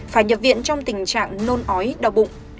phải nhập viện trong tình trạng nôn ói đau bụng